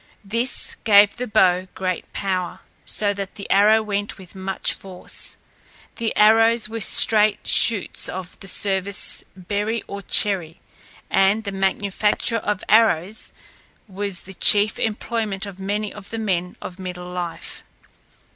This gave the bow great power, so that the arrow went with much force. The arrows were straight shoots of the service berry or cherry, and the manufacture of arrows was the chief employment of many of the men of middle life.